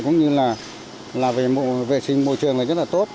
cũng như là về vệ sinh môi trường là rất là tốt